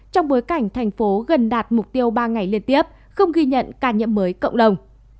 trong bối cảnh thành phố gần đạt mục tiêu ba ngày liên tiếp không ghi nhận ca nhiễm mới cộng đồng